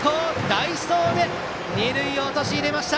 代走で二塁を陥れました。